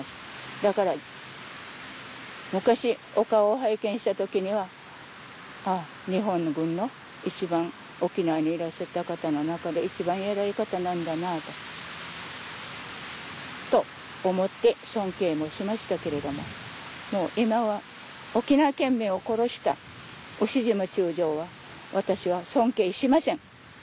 だから昔お顔を拝見した時には「あぁ日本軍の一番沖縄にいらっしゃった方の中で一番偉い方なんだなぁ」と思って尊敬もしましたけれどももう今は沖縄県民を殺した牛島中将は私は尊敬しません！